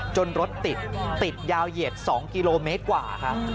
รถติดติดยาวเหยียด๒กิโลเมตรกว่าครับ